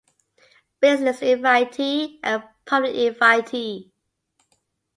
Business Invitee and Public Invitee.